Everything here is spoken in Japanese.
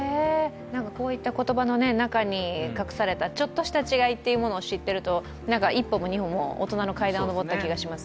そういった言葉の中に隠されたちょっとした違いを知ってるとなんか一歩も二歩も大人の階段を上った気がします。